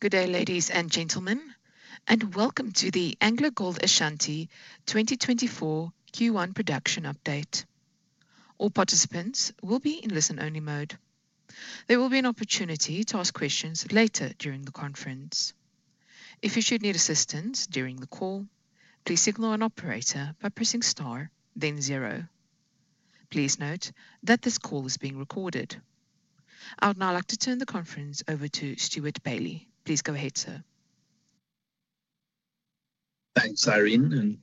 Good day, ladies and gentlemen, and welcome to the AngloGold Ashanti 2024 Q1 Production Update. All participants will be in listen-only mode. There will be an opportunity to ask questions later during the conference. If you should need assistance during the call, please signal an operator by pressing star, then zero. Please note that this call is being recorded. I would now like to turn the conference over to Stewart Bailey. Please go ahead, sir. Thanks, Irene, and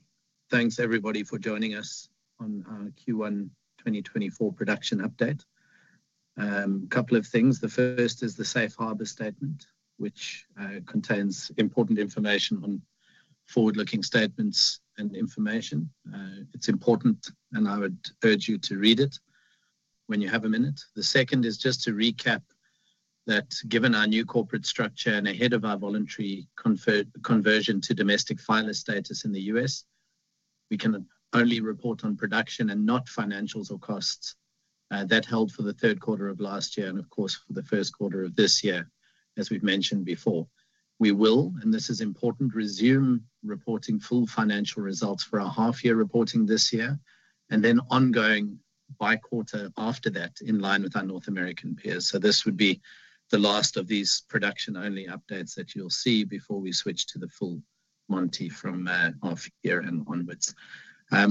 thanks everybody for joining us on our Q1 2024 Production Update. A couple of things. The first is the Safe Harbor Statement, which contains important information on forward-looking statements and information. It's important, and I would urge you to read it when you have a minute. The second is just to recap that, given our new corporate structure and ahead of our voluntary conversion to domestic filer status in the U.S., we can only report on production and not financials or costs, that held for the third quarter of last year and, of course, for the first quarter of this year, as we've mentioned before. We will, and this is important, resume reporting full financial results for our half-year reporting this year and then ongoing by quarter after that in line with our North American peers. So this would be the last of these production-only updates that you'll see before we switch to the full monty from FY and onwards.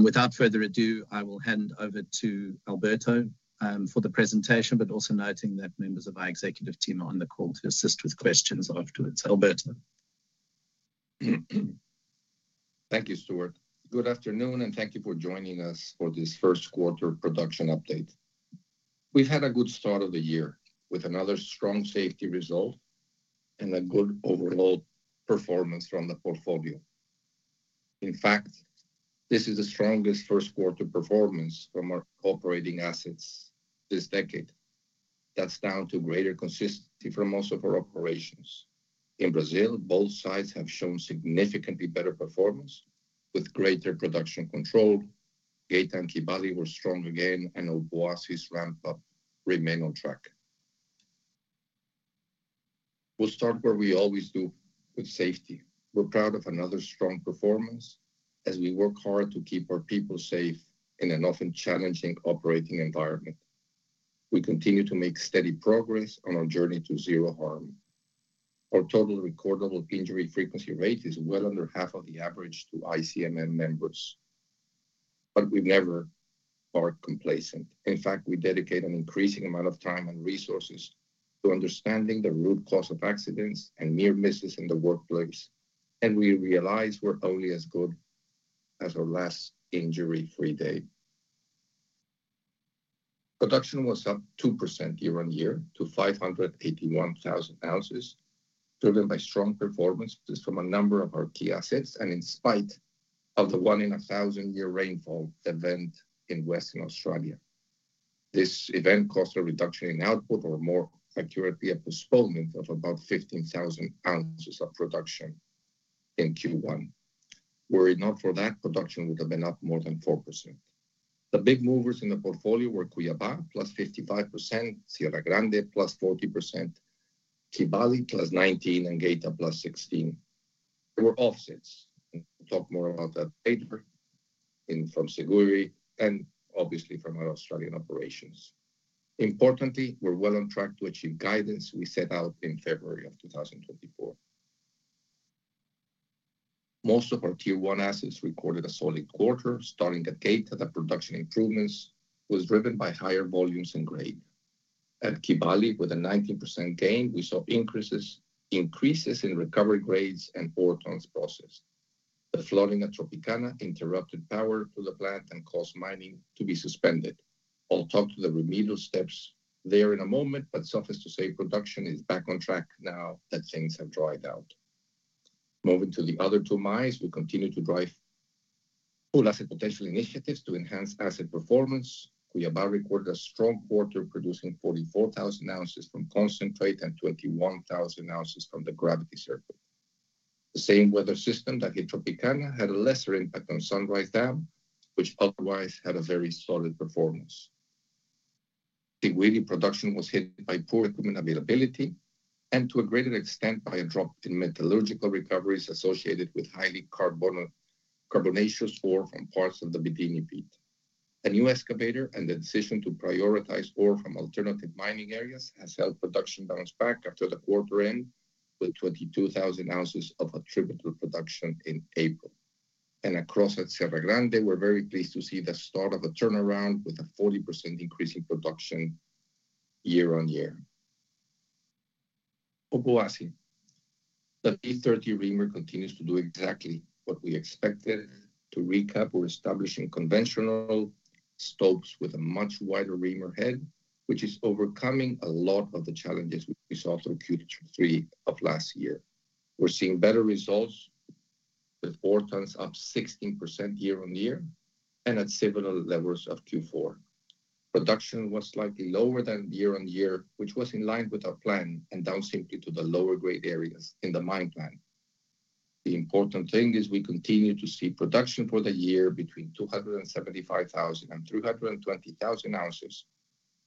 Without further ado, I will hand over to Alberto for the presentation, but also noting that members of our executive team are on the call to assist with questions afterwards. Alberto? Thank you, Stewart. Good afternoon, and thank you for joining us for this First Quarter Production Update. We've had a good start of the year with another strong safety result and a good overall performance from the portfolio. In fact, this is the strongest first-quarter performance from our operating assets this decade. That's down to greater consistency from most of our operations. In Brazil, both sites have shown significantly better performance with greater production control. Geita and Kibali were strong again, and Obuasi's ramp-up remained on track. We'll start where we always do, with safety. We're proud of another strong performance as we work hard to keep our people safe in an often challenging operating environment. We continue to make steady progress on our journey to zero harm. Our total recordable injury frequency rate is well under half of the average of ICMM members, but we've never grown complacent. In fact, we dedicate an increasing amount of time and resources to understanding the root cause of accidents and near misses in the workplace, and we realize we're only as good as our last injury-free day. Production was up 2% year-on-year to 581,000 ounces, driven by strong performances from a number of our key assets and in spite of the 1-in-1,000-year rainfall event in Western Australia. This event caused a reduction in output, or more accurately, a postponement of about 15,000 ounces of production in Q1. Were it not for that, production would have been up more than 4%. The big movers in the portfolio were Cuiabá +55%, Serra Grande +40%, Kibali +19%, and Geita +16%. There were offsets. We'll talk more about that later in from Siguiri and, obviously, from our Australian operations. Importantly, we're well on track to achieve guidance we set out in February of 2024. Most of our Tier 1 assets recorded a solid quarter, starting at Geita, that production improvements was driven by higher volumes and grade. At Kibali, with a 19% gain, we saw increases in recovery grades and ore tonnes processed. The flooding at Tropicana interrupted power to the plant and caused mining to be suspended. I'll talk to the remedial steps there in a moment, but suffice to say production is back on track now that things have dried out. Moving to the other two mines, we continue to drive Full Asset Potential initiatives to enhance asset performance. Cuiabá recorded a strong quarter producing 44,000 ounces from concentrate and 21,000 ounces from the gravity circuit. The same weather system that hit Tropicana had a lesser impact on Sunrise Dam, which otherwise had a very solid performance. Siguiri, production was hit by poor equipment availability and, to a greater extent, by a drop in metallurgical recoveries associated with highly carbonaceous ore from parts of the Bidini. A new excavator and the decision to prioritize ore from alternative mining areas has helped production bounce back after the quarter end with 22,000 ounces of attributable production in April. Across at Serra Grande, we're very pleased to see the start of a turnaround with a 40% increase in production year-on-year. Obuasi, the V30 Reamer continues to do exactly what we expected. To recap, we're establishing conventional stopes with a much wider reamer head, which is overcoming a lot of the challenges we saw through Q3 of last year. We're seeing better results with ore tonnes up 16% year-on-year and at similar levels of Q4. Production was slightly lower than year-over-year, which was in line with our plan and down simply to the lower grade areas in the mine plan. The important thing is we continue to see production for the year between 275,000 and 320,000 ounces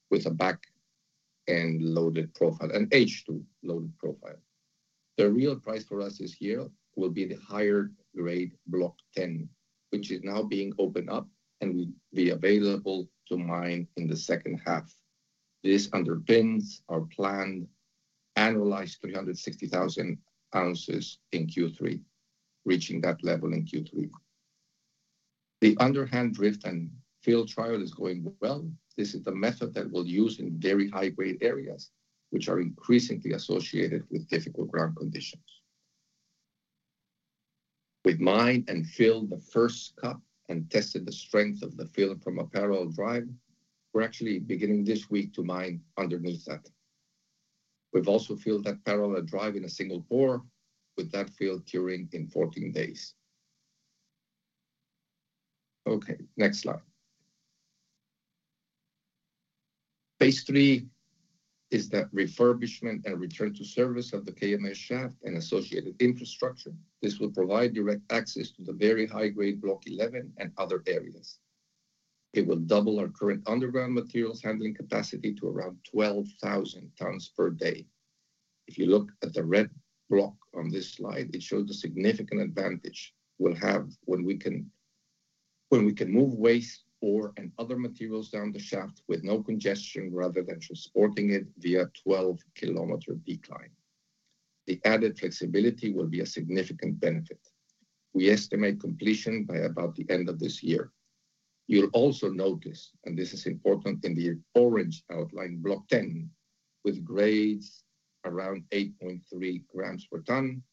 with a back-end loaded profile, an H2 loaded profile. The real price for us this year will be the higher-grade Block 10, which is now being opened up and will be available to mine in the second half. This underpins our planned annualized 360,000 ounces in Q3, reaching that level in Q3. The underhand drift and fill trial is going well. This is the method that we'll use in very high-grade areas, which are increasingly associated with difficult ground conditions. We've mined and filled the first cup and tested the strength of the fill from a parallel drive. We're actually beginning this week to mine underneath that. We've also filled that parallel drive in a single bore with that field curing in 14 days. Okay, next slide. Phase III is the refurbishment and return to service of the KMS Shaft and associated infrastructure. This will provide direct access to the very high-grade Block 11 and other areas. It will double our current underground materials handling capacity to around 12,000 tons per day. If you look at the red block on this slide, it shows the significant advantage we'll have when we can when we can move waste ore and other materials down the shaft with no congestion rather than transporting it via a 12-kilometer decline. The added flexibility will be a significant benefit. We estimate completion by about the end of this year. You'll also notice, and this is important, in the orange outlined Block 10 with grades around 8.3 grams per ton,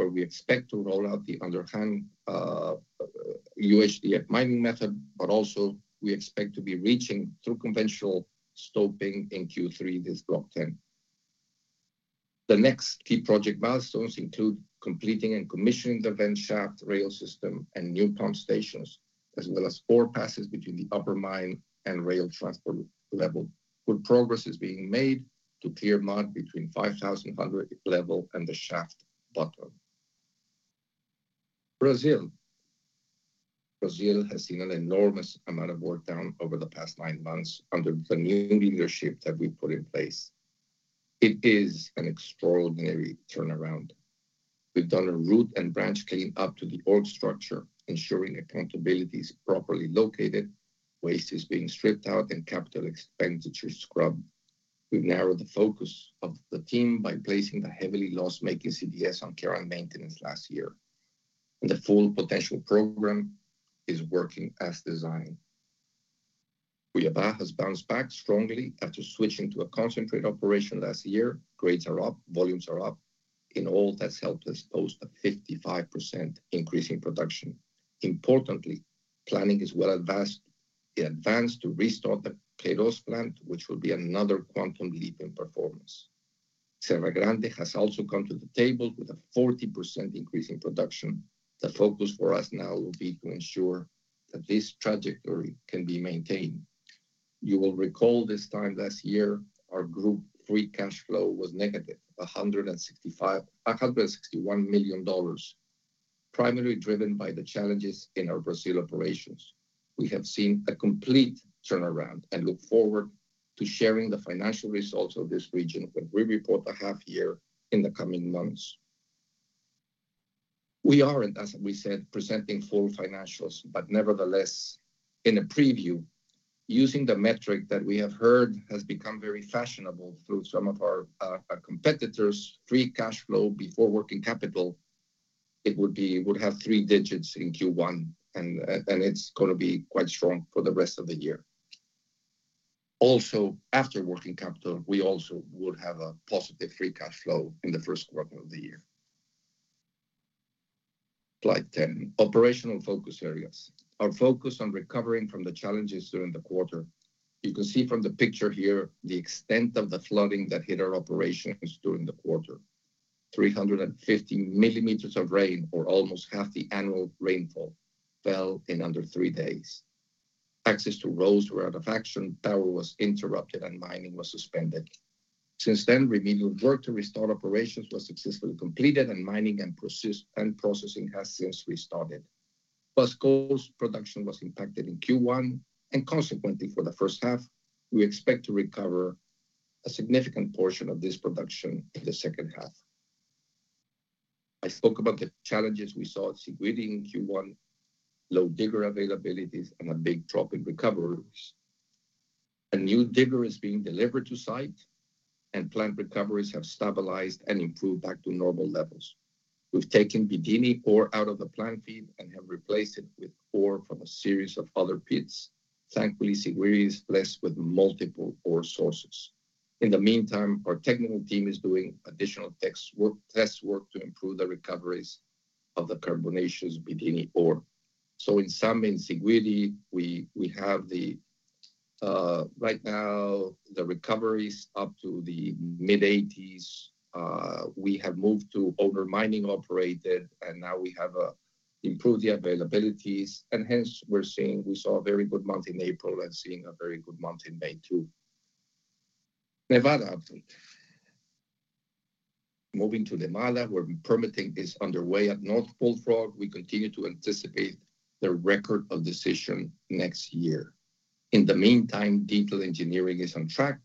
where we expect to roll out the underhand, UHDF mining method, but also we expect to be reaching through conventional stoping in Q3 this Block 10. The next key project milestones include completing and commissioning the vent shaft rail system and new pump stations, as well as four passes between the upper mine and rail transport level, with progress being made to clear mud between 5,100 level and the shaft bottom. Brazil. Brazil has seen an enormous amount of work done over the past nine months under the new leadership that we put in place. It is an extraordinary turnaround. We've done a root and branch cleanup to the org structure, ensuring accountability is properly located, waste is being stripped out, and capital expenditure scrubbed. We've narrowed the focus of the team by placing the heavily loss-making CdS on care and maintenance last year, and the Full Asset Potential program is working as designed. Cuiabá has bounced back strongly after switching to a concentrate operation last year. Grades are up. Volumes are up. In all, that's helped us post a 55% increase in production. Importantly, planning is well advanced in advance to restart the Queiroz Plant, which will be another quantum leap in performance. Serra Grande has also come to the table with a 40% increase in production. The focus for us now will be to ensure that this trajectory can be maintained. You will recall this time last year, our Group free cash flow was negative $161 million, primarily driven by the challenges in our Brazil operations. We have seen a complete turnaround and look forward to sharing the financial results of this region when we report a half-year in the coming months. We aren't, as we said, presenting full financials, but nevertheless, in a preview, using the metric that we have heard has become very fashionable through some of our competitors. Free cash flow before working capital, it would have three digits in Q1, and it's gonna be quite strong for the rest of the year. Also, after working capital, we also would have a positive free cash flow in the first quarter of the year. Slide 10, operational focus areas. Our focus on recovering from the challenges during the quarter. You can see from the picture here the extent of the flooding that hit our operations during the quarter. 350 millimeters of rain, or almost half the annual rainfall, fell in under three days. Access to roads were out of action. Power was interrupted, and mining was suspended. Since then, remedial work to restart operations was successfully completed, and mining and processing has since restarted. Siguiri production was impacted in Q1, and consequently, for the first half, we expect to recover a significant portion of this production in the second half. I spoke about the challenges we saw at Siguiri in Q1, low digger availabilities, and a big drop in recoveries. A new digger is being delivered to site, and plant recoveries have stabilized and improved back to normal levels. We've taken Bidini ore out of the plant feed and have replaced it with ore from a series of other pits. Thankfully, Siguiri is blessed with multiple ore sources. In the meantime, our technical team is doing additional test work to improve the recoveries of the carbonaceous Bidini ore. So in sum, in Siguiri, we have, right now, the recoveries up to the mid-80s. We have moved to owner-miner operated, and now we have improved the availabilities. Hence, we're seeing we saw a very good month in April and seeing a very good month in May, too. Nevada. Moving to Nevada, where permitting is underway at North Bullfrog, we continue to anticipate the record of decision next year. In the meantime, detail engineering is on track.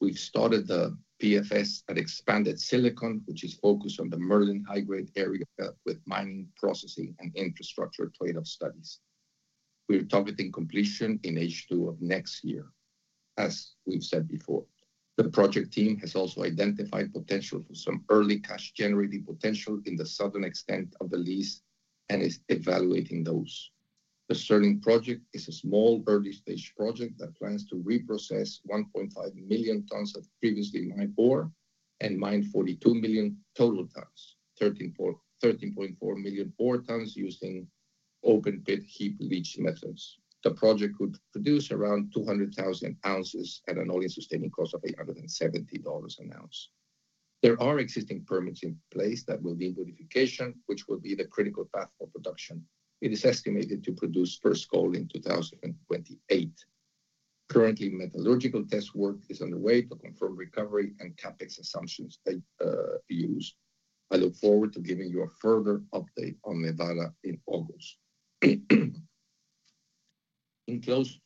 We've started the PFS at Expanded Silicon, which is focused on the Merlin high-grade area with mining, processing, and infrastructure trade-off studies. We're targeting completion in H2 of next year, as we've said before. The project team has also identified potential for some early cash-generating potential in the southern extent of the lease and is evaluating those. The Sterling project is a small early-stage project that plans to reprocess 1.5 million tons of previously mined ore and mine 42 million total tons, 13.4 million ore tons using open-pit heap leach methods. The project could produce around 200,000 ounces at an all-in sustaining cost of $870 an ounce. There are existing permits in place that will need modification, which will be the critical path for production. It is estimated to produce first gold in 2028. Currently, metallurgical test work is underway to confirm recovery and CapEx assumptions used. I look forward to giving you a further update on Nevada in August. In closing,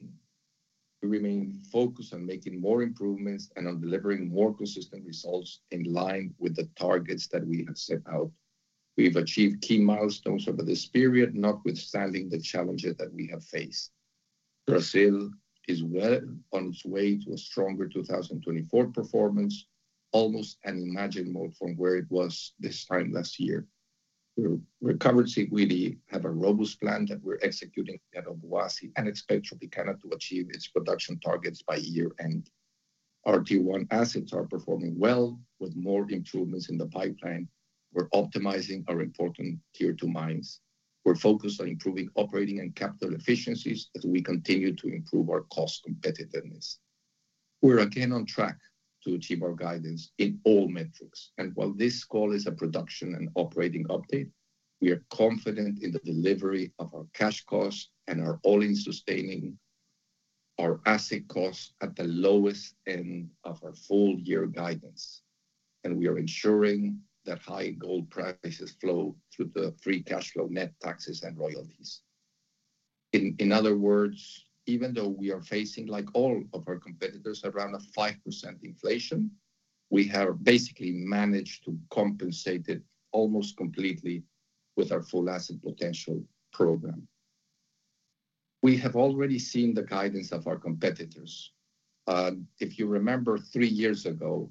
we remain focused on making more improvements and on delivering more consistent results in line with the targets that we have set out. We've achieved key milestones over this period, notwithstanding the challenges that we have faced. Brazil is well on its way to a stronger 2024 performance, almost unimaginable from where it was this time last year. We've recovered Siguiri, have a robust plan that we're executing at Obuasi, and expect Tropicana to achieve its production targets by year-end. Our Tier 1 assets are performing well with more improvements in the pipeline. We're optimizing our important Tier 2 mines. We're focused on improving operating and capital efficiencies as we continue to improve our cost competitiveness. We're again on track to achieve our guidance in all metrics. While this call is a production and operating update, we are confident in the delivery of our cash costs and our all-in sustaining costs at the lowest end of our full-year guidance. We are ensuring that high gold prices flow through the free cash flow net taxes and royalties. In other words, even though we are facing, like all of our competitors, around 5% inflation, we have basically managed to compensate it almost completely with our Full Asset Potential program. We have already seen the guidance of our competitors. If you remember three years ago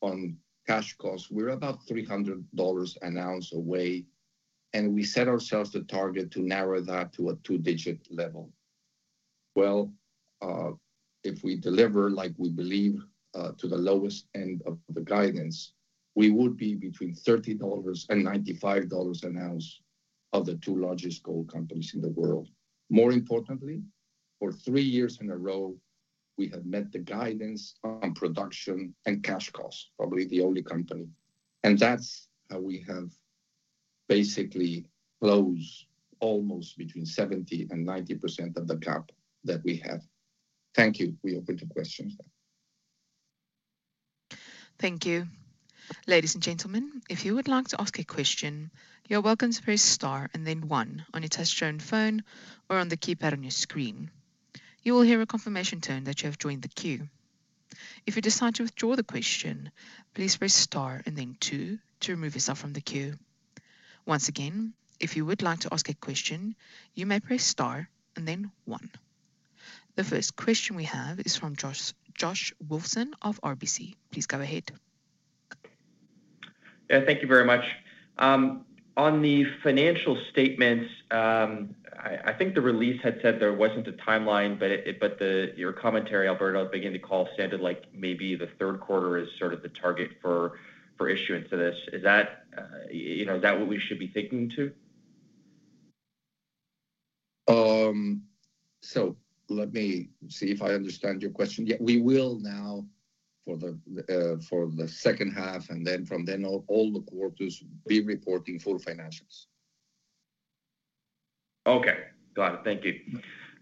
on cash costs, we were about $300 an ounce away, and we set ourselves the target to narrow that to a two-digit level. Well, if we deliver like we believe, to the lowest end of the guidance, we would be between $30-$95 an ounce of the two largest gold companies in the world. More importantly, for 3 years in a row, we have met the guidance on production and cash costs, probably the only company. And that's how we have basically closed almost between 70%-90% of the gap that we have. Thank you. We open to questions. Thank you. Ladies and gentlemen, if you would like to ask a question, you're welcome to press star and then one on your touchscreen phone or on the keypad on your screen. You will hear a confirmation tone that you have joined the queue. If you decide to withdraw the question, please press star and then two to remove yourself from the queue. Once again, if you would like to ask a question, you may press star and then one. The first question we have is from Josh Wolfson of RBC. Please go ahead. Yeah, thank you very much. On the financial statements, I think the release had said there wasn't a timeline, but your commentary, Alberto, at the beginning of the call sounded like maybe the third quarter is sort of the target for issuance of this. Is that, you know, is that what we should be thinking too? So let me see if I understand your question. Yeah, we will now for the second half and then from then on, all the quarters be reporting full financials. Okay. Got it. Thank you.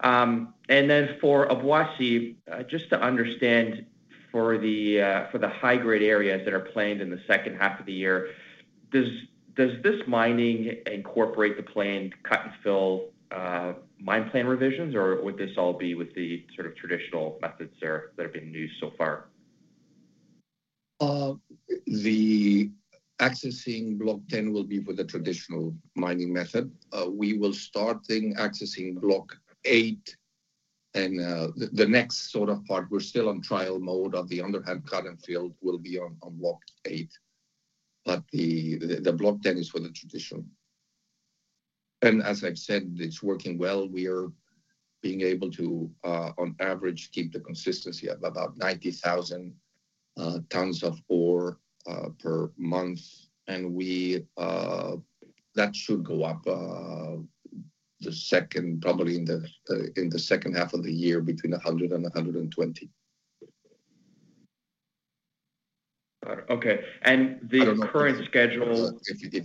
And then for Obuasi, just to understand for the high-grade areas that are planned in the second half of the year, does this mining incorporate the planned cut-and-fill mine plan revisions, or would this all be with the sort of traditional methods there that have been used so far? The accessing Block 10 will be for the traditional mining method. We will start accessing Block 8 and the next sort of part we're still on trial mode of the underhand cut-and-fill will be on Block 8. But the Block 10 is for the traditional. And as I've said, it's working well. We are being able to, on average, keep the consistency of about 90,000 tons of ore per month. And that should go up, probably in the second half of the year between 100 and 120. Got it. Okay. The current schedule.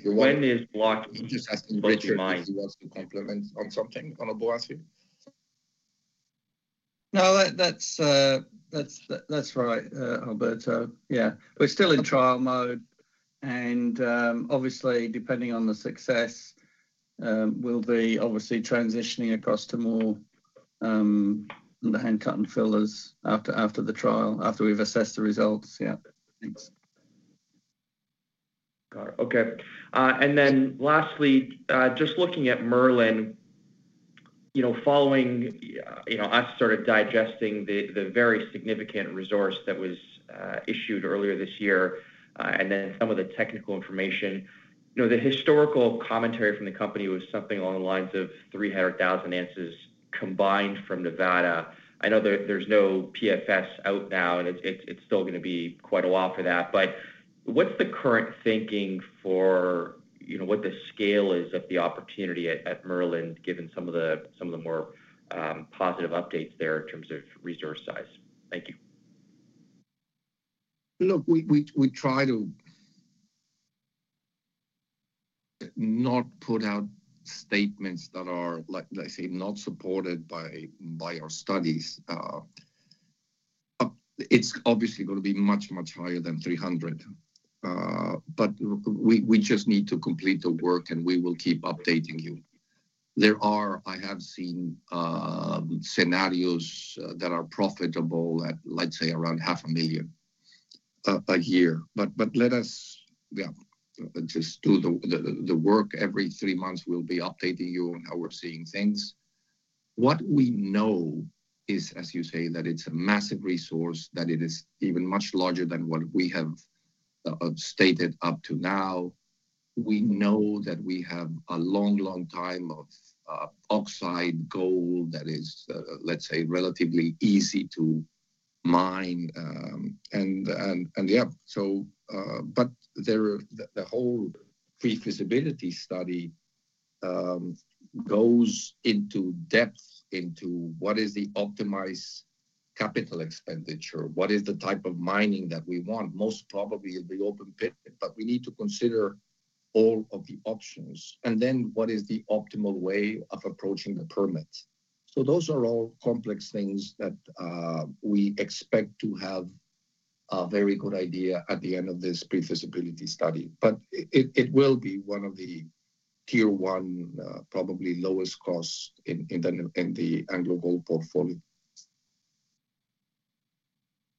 When is Block I don't know. If you want.. Just asking Richard if he wants to comment on something on Obuasi. No, that's right, Alberto. Yeah. We're still in trial mode. And, obviously, depending on the success, we'll be obviously transitioning across to more underhand cut-and-fill after the trial after we've assessed the results. Yeah. Thanks. Got it. Okay. And then lastly, just looking at Merlin, you know, following you know us sort of digesting the very significant resource that was issued earlier this year, and then some of the technical information, you know, the historical commentary from the company was something along the lines of 300,000 ounces combined from Nevada. I know there's no PFS out now, and it's still gonna be quite a while for that. But what's the current thinking for, you know, what the scale is of the opportunity at Merlin given some of the more positive updates there in terms of resource size? Thank you. Look, we try to not put out statements that are, like, let's say, not supported by our studies. It's obviously gonna be much higher than 300. But we just need to complete the work, and we will keep updating you. There are—I have seen—scenarios that are profitable at, let's say, around 500,000 a year. But let us, yeah. Just do the work. Every three months, we'll be updating you on how we're seeing things. What we know is, as you say, that it's a massive resource, that it is even much larger than what we have stated up to now. We know that we have a long, long time of oxide gold that is, let's say, relatively easy to mine. So, but there are the whole pre-feasibility study goes into depth into what is the optimized capital expenditure, what is the type of mining that we want. Most probably, it'll be open-pit, but we need to consider all of the options. And then what is the optimal way of approaching the permit? So those are all complex things that we expect to have a very good idea at the end of this pre-feasibility study. But it will be one of the Tier 1, probably lowest costs in the AngloGold portfolio.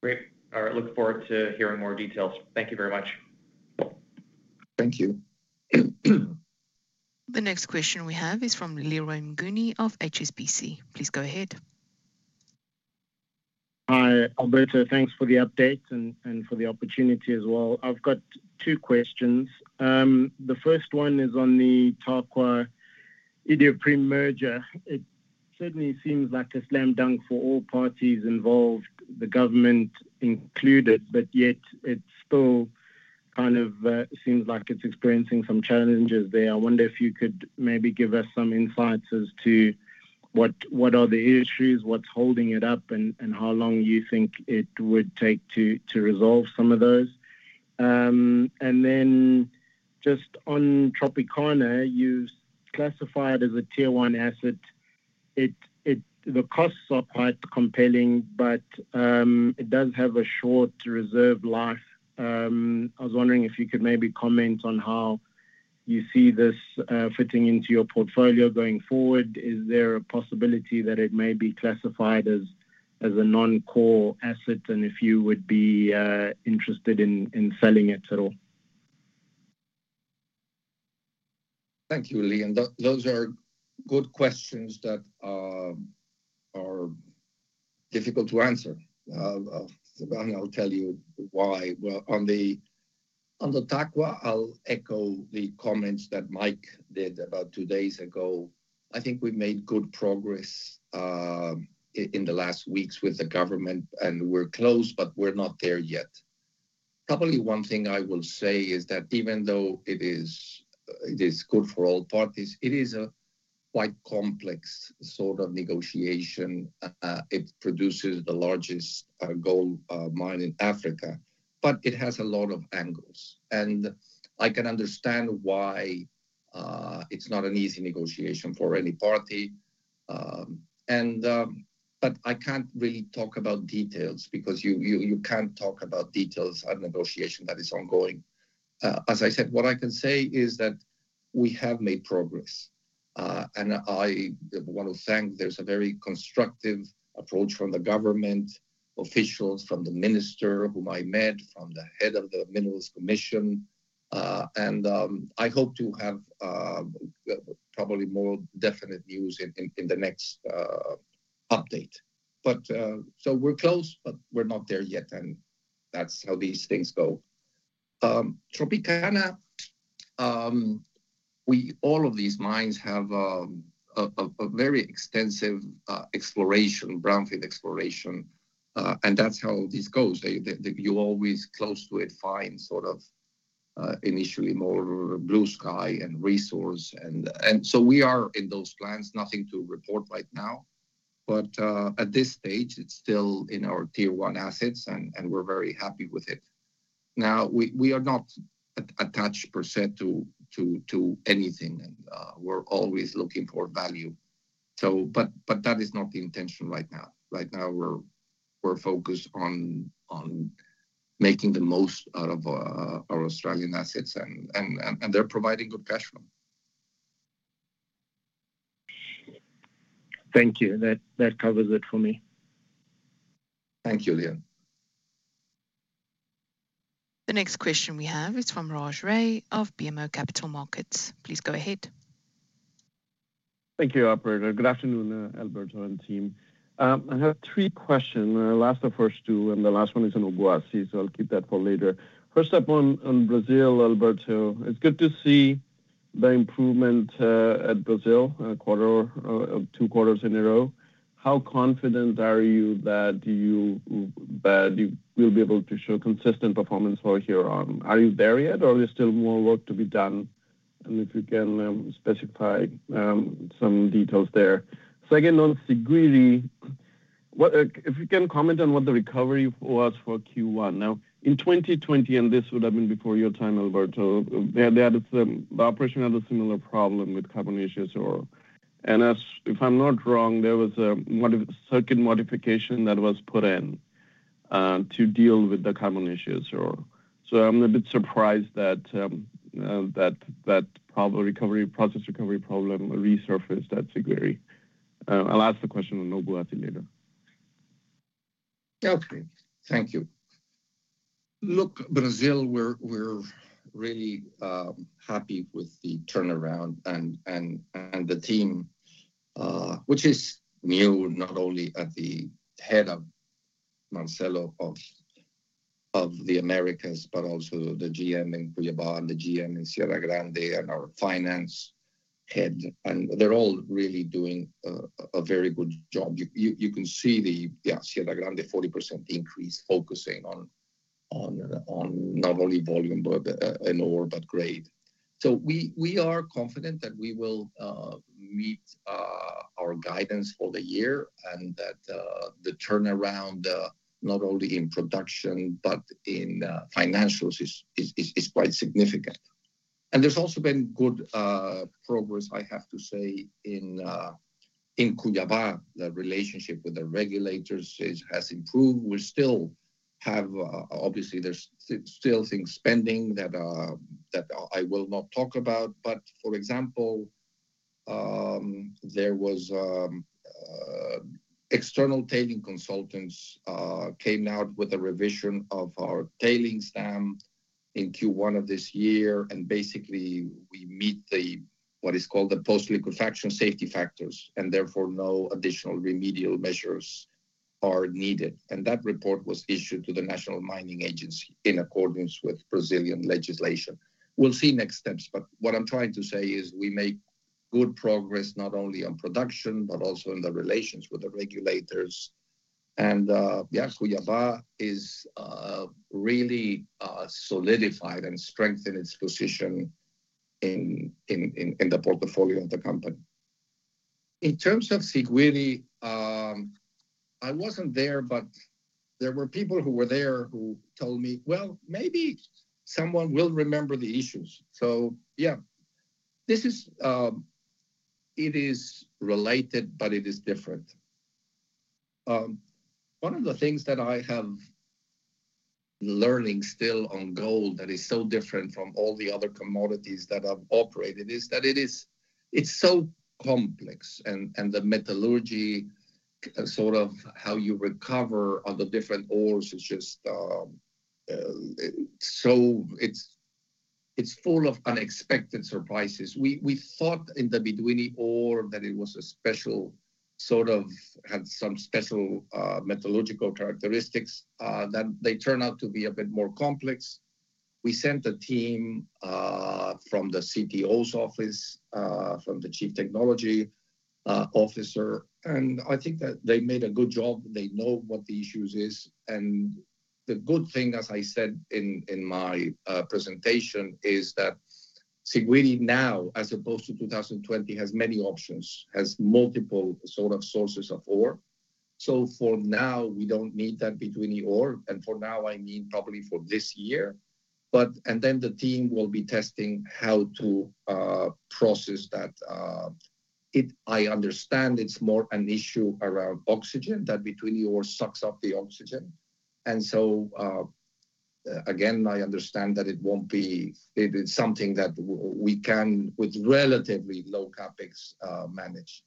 Great. All right. Look forward to hearing more details. Thank you very much. Thank you. The next question we have is from Leroy Mnguni of HSBC. Please go ahead. Hi, Alberto. Thanks for the update and, and for the opportunity as well. I've got two questions. The first one is on the Tarkwa Iduapriem merger. It certainly seems like a slam dunk for all parties involved, the government included, but yet it still kind of seems like it's experiencing some challenges there. I wonder if you could maybe give us some insights as to what, what are the issues, what's holding it up, and, and how long you think it would take to, to resolve some of those. And then just on Tropicana, you've classified it as a Tier 1 asset. It, it the costs are quite compelling, but, it does have a short reserve life. I was wondering if you could maybe comment on how you see this, fitting into your portfolio going forward. Is there a possibility that it may be classified as a non-core asset and if you would be interested in selling it at all? Thank you, Leroy. Those are good questions that are difficult to answer. I'll tell you why. Well, on the Tarkwa, I'll echo the comments that Mike did about two days ago. I think we've made good progress in the last weeks with the government, and we're close, but we're not there yet. Probably one thing I will say is that even though it is good for all parties, it is a quite complex sort of negotiation. It produces the largest gold mine in Africa, but it has a lot of angles. And I can understand why; it's not an easy negotiation for any party. But I can't really talk about details because you can't talk about details at a negotiation that is ongoing. As I said, what I can say is that we have made progress. And I want to thank. There's a very constructive approach from the government officials, from the minister whom I met, from the head of the Minerals Commission. And I hope to have probably more definite news in the next update. But we're close, but we're not there yet, and that's how these things go. Tropicana, we all of these mines have a very extensive exploration, brownfield exploration. And that's how this goes. They, you always close to it find sort of initially more blue sky and resource. And so we are in those plans, nothing to report right now. But at this stage, it's still in our Tier 1 assets, and we're very happy with it. Now, we are not attached per se to anything, and we're always looking for value. So but, but that is not the intention right now. Right now, we're focused on making the most out of our Australian assets, and they're providing good cash flow. Thank you. That covers it for me. Thank you, Leroy. The next question we have is from Raj Ray of BMO Capital Markets. Please go ahead. Thank you, Alberto. Good afternoon, Alberto and team. I have three questions, last of ours two, and the last one is on Obuasi, so I'll keep that for later. First up on Brazil, Alberto. It's good to see the improvement at Brazil, quarter or two quarters in a row. How confident are you that you will be able to show consistent performance from here on? Are you there yet, or is there still more work to be done? And if you can, specify some details there. Second, on Siguiri, what if you can comment on what the recovery was for Q1. Now, in 2020, and this would have been before your time, Alberto, there had a similar problem. The operation had a similar problem with carbon issues, and as if I'm not wrong, there was a modified circuit modification that was put in to deal with the carbon issues. So I'm a bit surprised that the recovery process recovery problem resurfaced at Siguiri. I'll ask the question on Obuasi later. Okay. Thank you. Look, Brazil, we're really happy with the turnaround and the team, which is new, not only at the head of Marcelo of the Americas, but also the GM in Cuiabá, the GM in Serra Grande, and our finance head. And they're all really doing a very good job. You can see the, yeah, Serra Grande 40% increase focusing on not only volume but and ore, but grade. So we are confident that we will meet our guidance for the year and that the turnaround, not only in production but in financials is quite significant. And there's also been good progress, I have to say, in Cuiabá. The relationship with the regulators has improved. We still have obviously, there's still things pending that I will not talk about. But for example, there were external tailings consultants who came out with a revision of our tailings dam in Q1 of this year. Basically, we meet what is called the post-liquefaction safety factors, and therefore, no additional remedial measures are needed. That report was issued to the National Mining Agency in accordance with Brazilian legislation. We'll see next steps. But what I'm trying to say is we make good progress not only on production but also in the relations with the regulators. Yeah, Cuiabá really solidified and strengthened its position in the portfolio of the company. In terms of Siguiri, I wasn't there, but there were people who were there who told me, "Well, maybe someone will remember the issues." So yeah. This is related, but it is different. One of the things that I have learning still on gold that is so different from all the other commodities that I've operated is that it is it's so complex. And the metallurgy, sort of how you recover all the different ores is just, it's so it's, it's full of unexpected surprises. We thought in the Bidini ore that it was a special sort of had some special metallurgical characteristics that they turn out to be a bit more complex. We sent a team from the CTO's office, from the chief technology officer. And I think that they made a good job. They know what the issues is. And the good thing, as I said in my presentation, is that Siguiri now, as opposed to 2020, has many options, has multiple sort of sources of ore. So for now, we don't need that Bidini ore. And for now, I mean probably for this year. But then the team will be testing how to process that. It I understand it's more an issue around oxygen, that Bidini ore sucks up the oxygen. And so, again, I understand that it is something that we can with relatively low CapEx manage.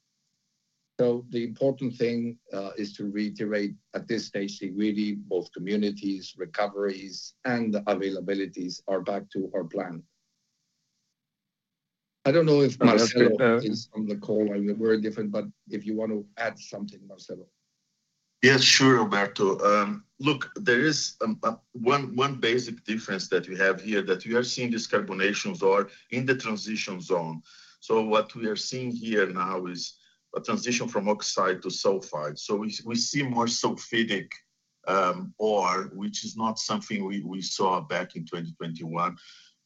So the important thing is to reiterate at this stage, Siguiri, both communities, recoveries, and the availabilities are back to our plan. I don't know if Marcelo is on the call. I mean, we're different, but if you want to add something, Marcelo. Yes, sure, Alberto. Look, there is one basic difference that you have here that we are seeing this carbonaceous ore in the transition zone. So what we are seeing here now is a transition from oxide to sulfide. So we see more sulfidic ore, which is not something we saw back in 2021.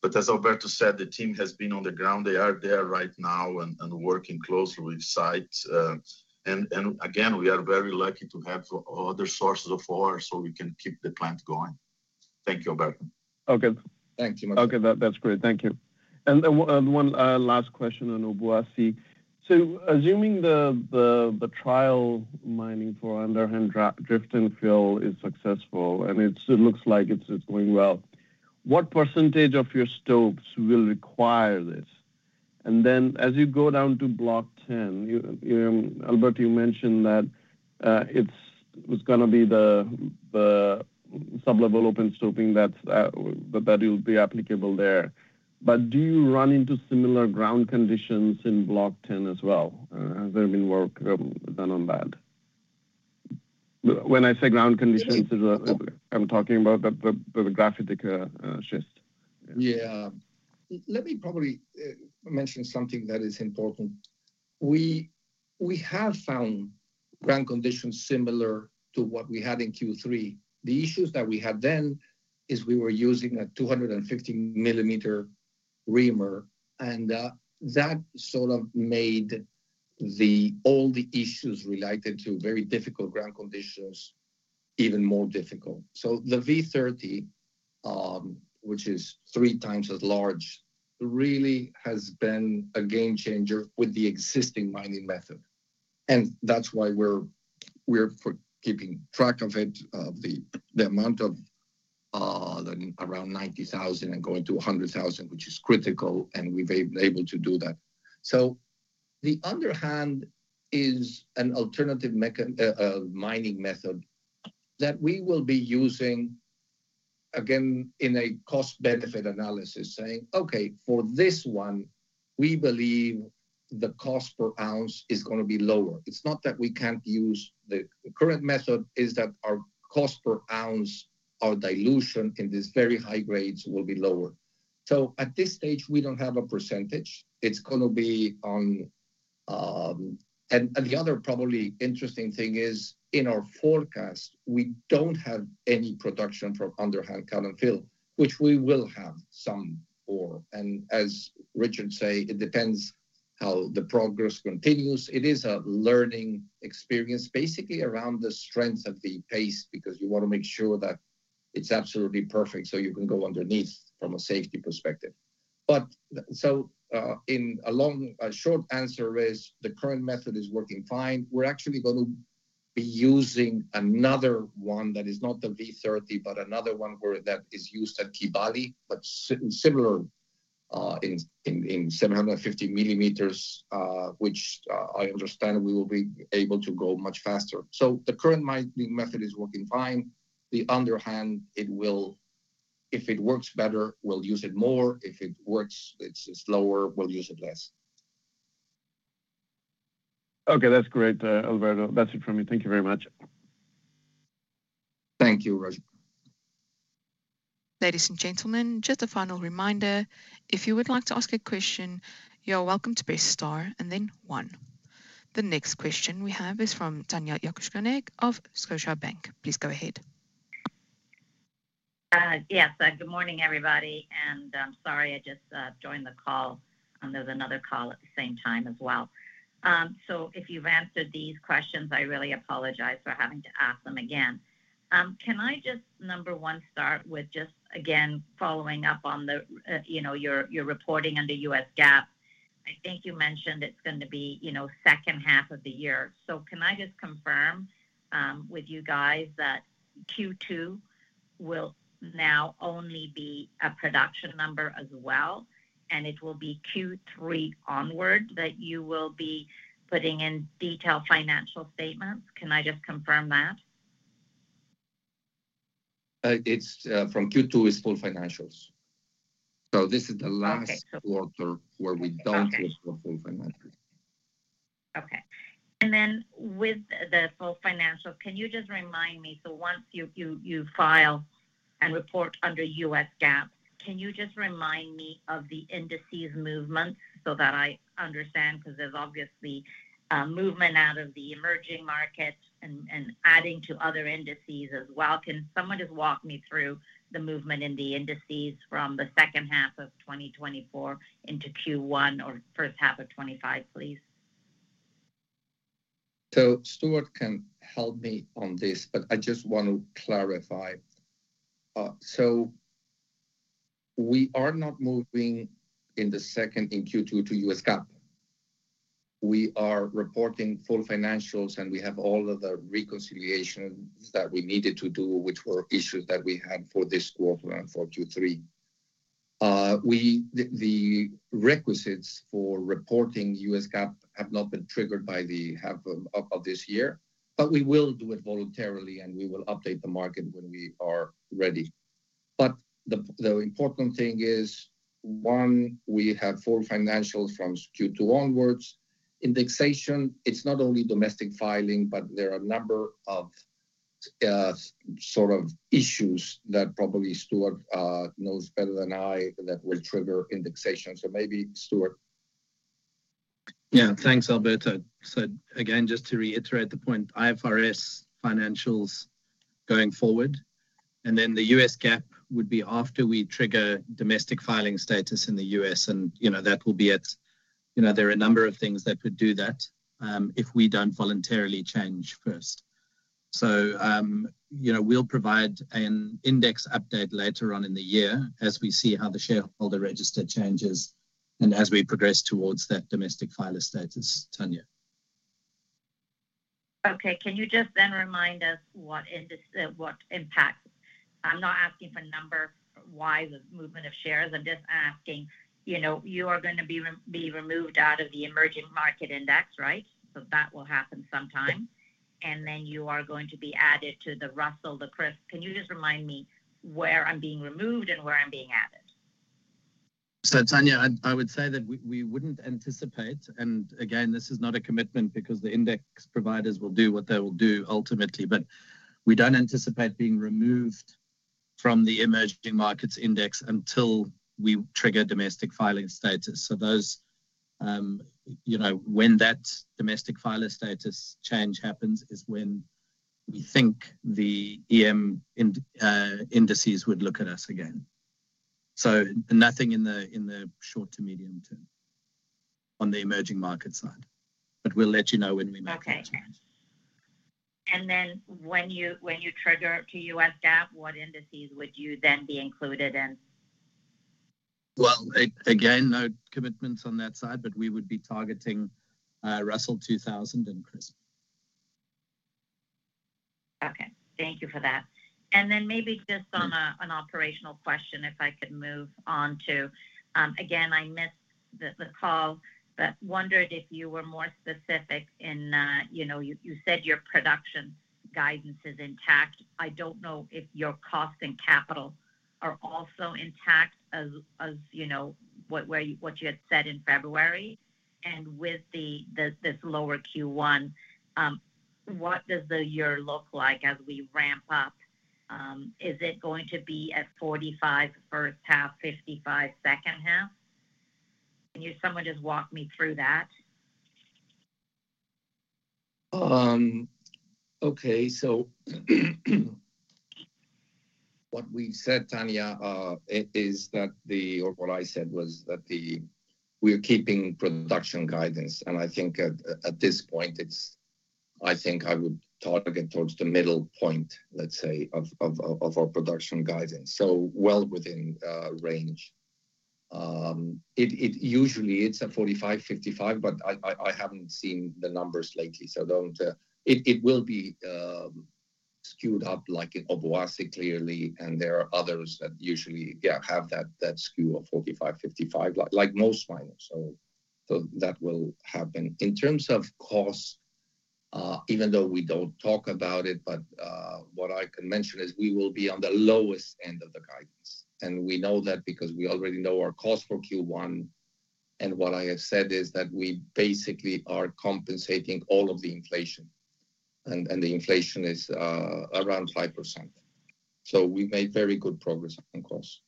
But as Alberto said, the team has been on the ground. They are there right now and working closely with sites. And again, we are very lucky to have other sources of ore so we can keep the plant going. Thank you, Alberto. Okay. Thank you, Marcelo. Okay. That's great. Thank you. And one last question on Obuasi. So assuming the trial mining for underhand drift and fill is successful, and it looks like it's going well, what percentage of your stopes will require this? And then as you go down to Block 10, you, Albert, you mentioned that it was gonna be the sublevel open stoping that's that'll be applicable there. But do you run into similar ground conditions in Block 10 as well? Has there been work done on that? When I say ground conditions, it's. I'm talking about the graphitic schist. Yeah. Let me probably mention something that is important. We have found ground conditions similar to what we had in Q3. The issues that we had then is we were using a 250-millimeter reamer, and that sort of made all the issues related to very difficult ground conditions even more difficult. So the V30, which is three times as large, really has been a game changer with the existing mining method. And that's why we're keeping track of it, of the amount of around 90,000 and going to 100,000, which is critical, and we've been able to do that. So the underhand is an alternative mechanized mining method that we will be using, again, in a cost-benefit analysis, saying, "Okay. For this one, we believe the cost per ounce is gonna be lower." It's not that we can't use the current method; it's that our cost per ounce, our dilution in these very high grades will be lower. So at this stage, we don't have a percentage. It's gonna be on, and the other probably interesting thing is, in our forecast, we don't have any production from underhand drift and fill, which we will have some ore. And as Richard says, it depends how the progress continues. It is a learning experience, basically, around the strength of the paste because you want to make sure that it's absolutely perfect so you can go underneath from a safety perspective. But so, in the long and short answer is, the current method is working fine. We're actually gonna be using another one that is not the V30 but another one where that is used at Kibali, but similar, in 750 millimeters, which, I understand we will be able to go much faster. So the current mining method is working fine. The underhand, it will if it works better, we'll use it more. If it works it's, it's lower, we'll use it less. Okay. That's great, Alberto. That's it from me. Thank you very much. Thank you, Raj. Ladies and gentlemen, just a final reminder. If you would like to ask a question, you are welcome to press star and then one. The next question we have is from Tanya Jakusconek of Scotiabank. Please go ahead. Yes. Good morning, everybody. Sorry, I just joined the call, and there's another call at the same time as well. So if you've answered these questions, I really apologize for having to ask them again. Can I just, number one, start with just, again, following up on the, you know, your, your reporting under U.S. GAAP? I think you mentioned it's gonna be, you know, second half of the year. So can I just confirm with you guys that Q2 will now only be a production number as well, and it will be Q3 onward that you will be putting in detailed financial statements? Can I just confirm that? It's from Q2 is full financials. So this is the last quarter where we don't report full financials. Okay. Okay. Then with the full financials, can you just remind me so once you file and report under U.S. GAAP, can you just remind me of the indices' movements so that I understand? 'Cause there's obviously movement out of the emerging markets and adding to other indices as well. Can someone just walk me through the movement in the indices from the second half of 2024 into Q1 or first half of 2025, please? So Stewart can help me on this, but I just want to clarify. So we are not moving in the second in Q2 to U.S. GAAP. We are reporting full financials, and we have all of the reconciliations that we needed to do, which were issues that we had for this quarter and for Q3. The requisites for reporting U.S. GAAP have not been triggered as of the half of this year, but we will do it voluntarily, and we will update the market when we are ready. But the important thing is, one, we have full financials from Q2 onwards indexation, it's not only domestic filing, but there are a number of sort of issues that probably Stewart knows better than I that will trigger indication. So maybe, Stewart. Yeah. Thanks, Alberto. So again, just to reiterate the point, IFRS financials going forward. And then the U.S. GAAP would be after we trigger domestic filing status in the U.S.. And, you know, that will be, you know, there are a number of things that could do that, if we don't voluntarily change first. So, you know, we'll provide an index update later on in the year as we see how the shareholder register changes and as we progress towards that domestic filer status, Tanya. Okay. Can you just then remind us what indices what impacts? I'm not asking for number, why the movement of shares. I'm just asking, you know, you are gonna be be removed out of the emerging market index, right? So that will happen sometime. And then you are going to be added to the Russell, the CRSP. Can you just remind me where I'm being removed and where I'm being added? So Tanya, I, I would say that we, we wouldn't anticipate and again, this is not a commitment because the index providers will do what they will do ultimately. But we don't anticipate being removed from the Emerging Markets Index until we trigger domestic filing status. So those, you know, when that domestic filer status change happens is when we think the EM ind indices would look at us again. So nothing in the short to medium term on the emerging market side. But we'll let you know when we make that change. Okay. And then when you trigger to U.S. GAAP, what indices would you then be included in? Well, again, no commitments on that side, but we would be targeting Russell 2000 and CRSP. Okay. Thank you for that. And then maybe just on an operational question, if I could move on to. Again, I missed the call, but wondered if you were more specific in, you know, you said your production guidance is intact. I don't know if your cost and capital are also intact as, you know, what you had said in February. And with this lower Q1, what does the year look like as we ramp up? Is it going to be at 45 first half, 55 second half? Can someone just walk me through that? Okay. So what we said, Tanya, is that we are keeping production guidance. And I think at this point, I think I would target towards the middle point, let's say, of our production guidance, so well within range. It usually is a 45-55, but I haven't seen the numbers lately, so it will be skewed up like in Obuasi clearly. There are others that usually, yeah, have that, that skew of 45, 55, like, like most miners. So, so that will happen. In terms of cost, even though we don't talk about it, but, what I can mention is we will be on the lowest end of the guidance. And we know that because we already know our cost for Q1. And what I have said is that we basically are compensating all of the inflation. And, and the inflation is, around 5%. So we've made very good progress on cost.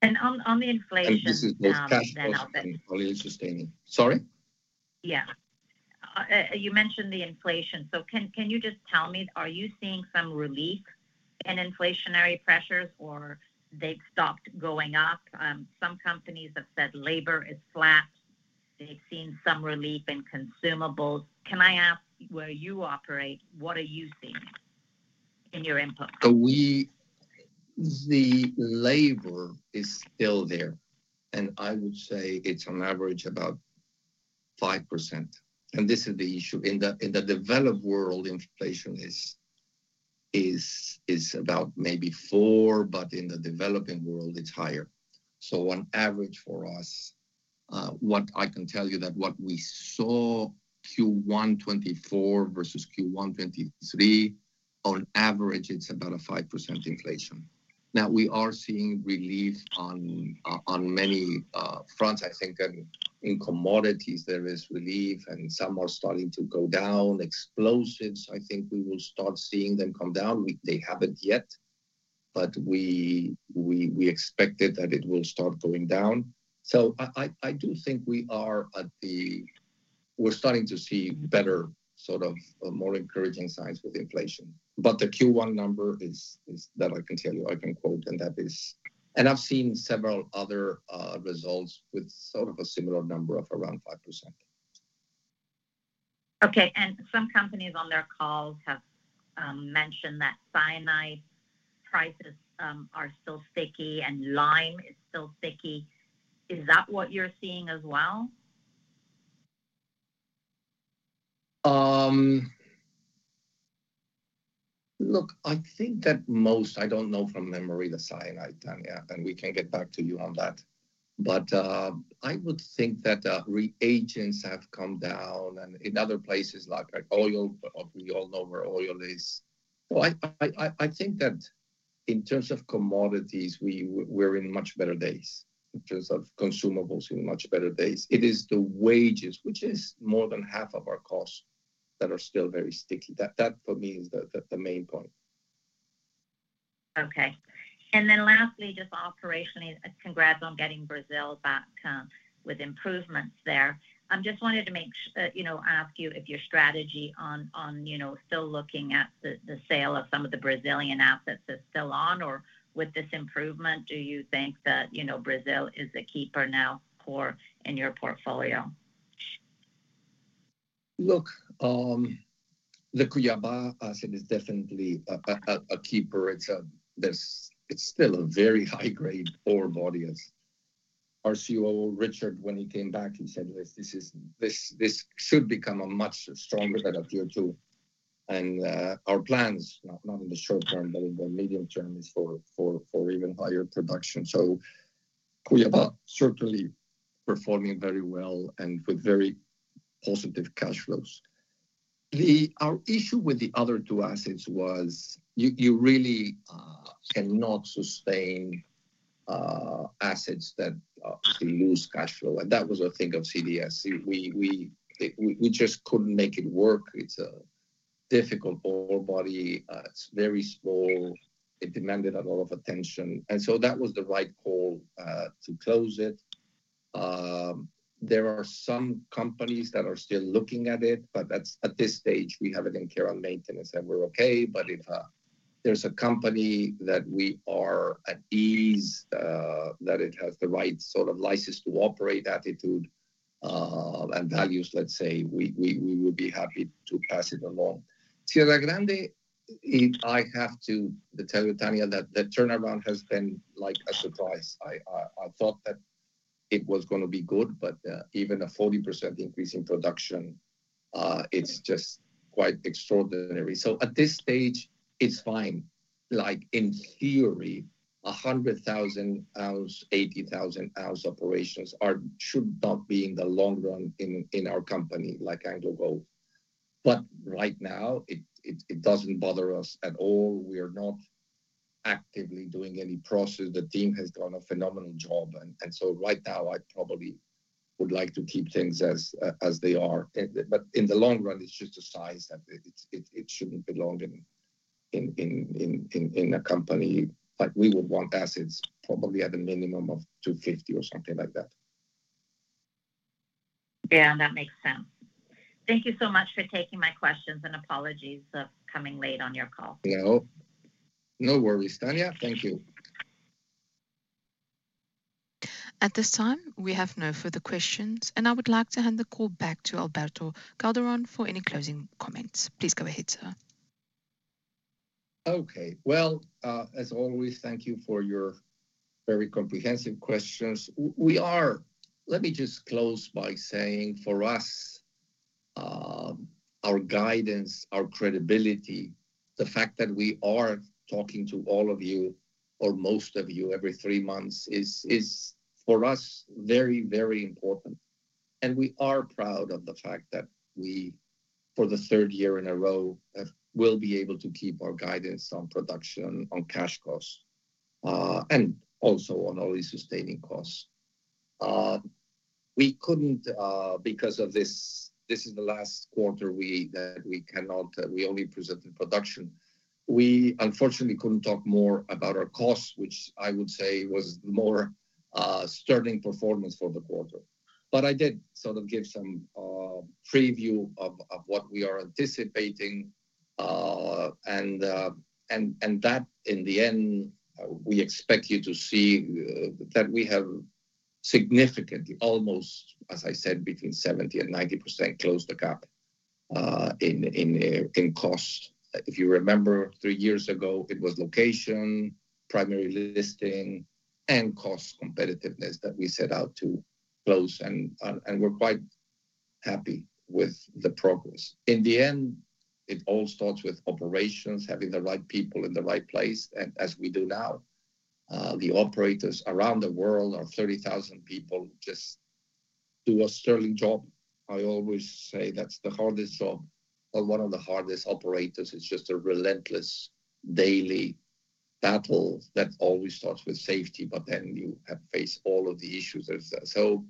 And on, on the inflation, then I'll be. And this is all-in sustaining. All-in sustaining. Sorry? Yeah. You mentioned the inflation. So can, can you just tell me, are you seeing some relief in inflationary pressures, or they've stopped going up? Some companies have said labor is flat. They've seen some relief in consumables. Can I ask, where you operate, what are you seeing in your input? So we the labor is still there. And I would say it's on average about 5%. And this is the issue. In the developed world, inflation is about maybe 4%, but in the developing world, it's higher. So on average for us, what I can tell you that what we saw Q1 2024 versus Q1 2023, on average, it's about a 5% inflation. Now, we are seeing relief on many fronts. I think in commodities, there is relief, and some are starting to go down. Explosives, I think we will start seeing them come down. We they haven't yet, but we expected that it will start going down. So I do think we are at the we're starting to see better sort of, more encouraging signs with inflation. But the Q1 number is that I can tell you. I can quote, and that is and I've seen several other results with sort of a similar number of around 5%. Okay. And some companies on their calls have mentioned that cyanide prices are still sticky, and lime is still sticky. Is that what you're seeing as well? Look, I think that most I don't know from memory the cyanide, Tanya, and we can get back to you on that. But I would think that reagents have come down. And in other places, like oil, we all know where oil is. So I think that in terms of commodities, we're in much better days. In terms of consumables, in much better days. It is the wages, which is more than half of our cost, that are still very sticky. That, for me, is the main point. Okay. And then lastly, just operationally, congrats on getting Brazil back, with improvements there. I just wanted to make sure, you know, ask you if your strategy on, you know, still looking at the sale of some of the Brazilian assets is still on, or with this improvement, do you think that, you know, Brazil is a keeper now for in your portfolio? Look, the Cuiabá asset is definitely a keeper. It's still a very high-grade ore body as Richard, when he came back, he said, "Listen, this is this; this should become a much stronger than at Q2." And our plans not in the short term, but in the medium term, is for even higher production. So Cuiabá certainly performing very well and with very positive cash flows. Our issue with the other two assets was you really cannot sustain assets that lose cash flow. And that was a thing of CdS. We just couldn't make it work. It's a difficult ore body. It's very small. It demanded a lot of attention. And so that was the right call to close it. There are some companies that are still looking at it, but that's at this stage; we haven't been on care and maintenance, and we're okay. But if there's a company that we are at ease, that it has the right sort of license to operate attitude, and values, let's say, we will be happy to pass it along. Serra Grande, I have to tell you, Tanya, that the turnaround has been, like, a surprise. I thought that it was gonna be good, but even a 40% increase in production, it's just quite extraordinary. So at this stage, it's fine. Like, in theory, 100,000-ounce, 80,000-ounce operations are should not be in the long run in our company, like AngloGold. But right now, it doesn't bother us at all. We are not actively doing any process. The team has done a phenomenal job. So right now, I probably would like to keep things as they are. But in the long run, it's just a size that it shouldn't belong in a company. Like, we would want assets probably at a minimum of 250 or something like that. Yeah. And that makes sense. Thank you so much for taking my questions and apologies for coming late on your call. No. No worries, Tanya. Thank you. At this time, we have no further questions. And I would like to hand the call back to Alberto Calderon for any closing comments. Please go ahead, sir. Okay. Well, as always, thank you for your very comprehensive questions. We are, let me just close by saying, for us, our guidance, our credibility, the fact that we are talking to all of you or most of you every three months is for us very, very important. We are proud of the fact that we, for the third year in a row, will be able to keep our guidance on production, on cash costs, and also on all-in sustaining costs. We couldn't, because this is the last quarter that we cannot; we only presented production. We, unfortunately, couldn't talk more about our costs, which I would say was more stunning performance for the quarter. But I did sort of give some preview of what we are anticipating. And that, in the end, we expect you to see that we have significantly, almost, as I said, between 70% and 90% closed the gap in cost. If you remember, three years ago, it was location, primary listing, and cost competitiveness that we set out to close. And we're quite happy with the progress. In the end, it all starts with operations, having the right people in the right place, and as we do now. The operators around the world, our 30,000 people, just do a sterling job. I always say that's the hardest job. Well, one of the hardest operators, it's just a relentless daily battle that always starts with safety, but then you have to face all of the issues. So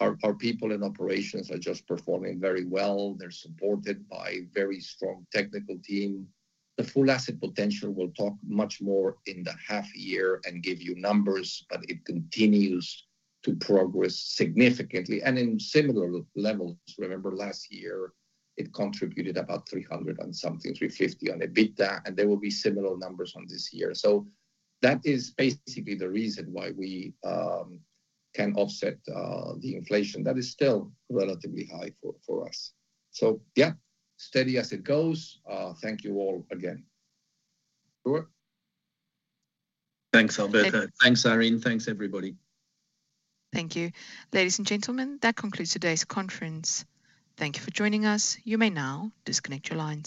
our people in operations are just performing very well. They're supported by a very strong technical team. The Full Asset Potential, we'll talk much more in the half year and give you numbers, but it continues to progress significantly. And in similar levels, remember, last year, it contributed about 300-something, $350 million on EBITDA. And there will be similar numbers on this year. So that is basically the reason why we can offset the inflation that is still relatively high for us. So yeah, steady as it goes. Thank you all again. Sure. Thanks, Alberto. Thanks, Irene. Thanks, everybody. Thank you. Ladies and gentlemen, that concludes today's conference. Thank you for joining us. You may now disconnect your lines.